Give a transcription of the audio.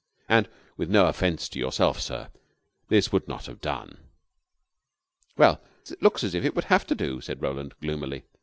And, with no offense to yourself, sir, this would not have done." "Well, it looks as if it would have to do," said Roland, gloomily.